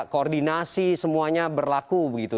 koordinasi semuanya berlaku begitu